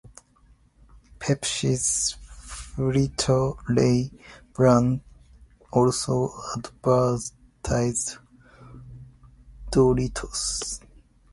Pepsi's Frito-Lay brand also advertised Doritos.